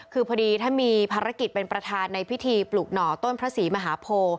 คือพอดีท่านมีภารกิจเป็นประธานในพิธีปลูกหน่อต้นพระศรีมหาโพ